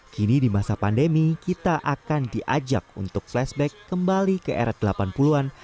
kini di masa pandemi kita akan diajak untuk flashback kembali ke era delapan puluh an